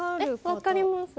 分かります。